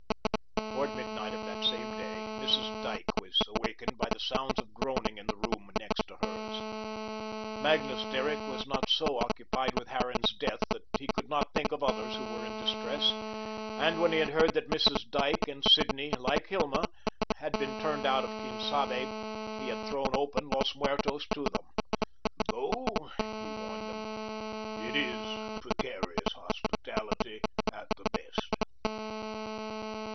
Towards midnight of that same day, Mrs. Dyke was awakened by the sounds of groaning in the room next to hers. Magnus Derrick was not so occupied by Harran's death that he could not think of others who were in distress, and when he had heard that Mrs. Dyke and Sidney, like Hilma, had been turned out of Quien Sabe, he had thrown open Los Muertos to them. "Though," he warned them, "it is precarious hospitality at the best."